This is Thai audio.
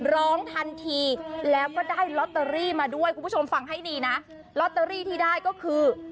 ร้องทันทีแล้วก็ได้ลอตเตอรี่มาด้วยคุณผู้ชมฟังให้ดีนะลอตเตอรี่ที่ได้ก็คือ